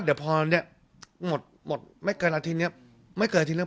เดี๋ยวพอเนี้ยหมดหมดไม่เกินอาทิตย์เนี้ยไม่เกินอาทิตย์แล้ว